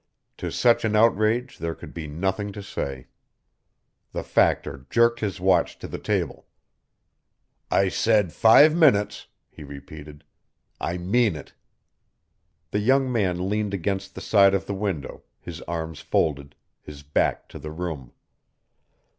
To such an outrage there could be nothing to say. The Factor jerked his watch to the table. "I said five minutes," he repeated. "I mean it." [Illustration: "GO TO THE DEVIL!" Scene from the play.] The young man leaned against the side of the window, his arms folded, his back to the room.